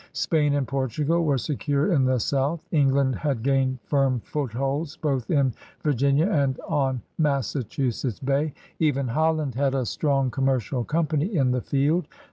Spain and Portugal were secure in the South. England had gained firm footholds both in Virginia and on Massachusetts Bay. Even Holland had a strong commercial company in the field.